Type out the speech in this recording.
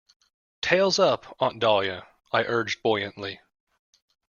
"Tails up, Aunt Dahlia," I urged buoyantly.